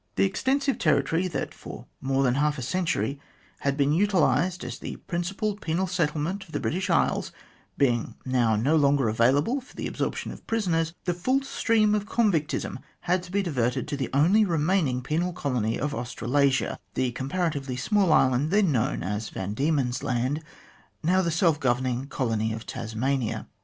The extensive territory that, for more than half a century, had been utilised as the principal penal settlement of the British Isles, being now no longer available for the absorption of prisoners, the full stream of convictism had to be diverted to the only remaining penal colony of Australasia, the com paratively small island then known as Van Diemen's Land, now the self governing Colony of Tasmania.